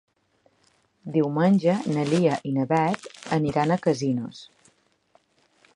Diumenge na Lia i na Beth aniran a Casinos.